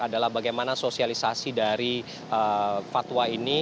adalah bagaimana sosialisasi dari fatwa ini